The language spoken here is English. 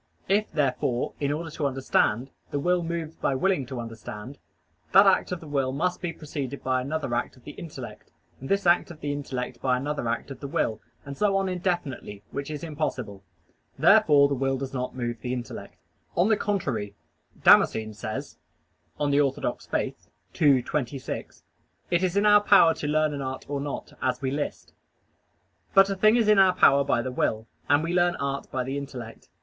If, therefore, in order to understand, the will moves by willing to understand, that act of the will must be preceded by another act of the intellect, and this act of the intellect by another act of the will, and so on indefinitely, which is impossible. Therefore the will does not move the intellect. On the contrary, Damascene says (De Fide Orth. ii, 26): "It is in our power to learn an art or not, as we list." But a thing is in our power by the will, and we learn art by the intellect.